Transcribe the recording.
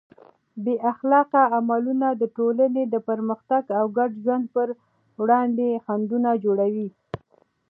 بې اخلاقه عملونه د ټولنې د پرمختګ او ګډ ژوند پر وړاندې خنډونه جوړوي.